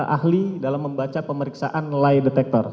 ahli dalam membaca pemeriksaan lie detector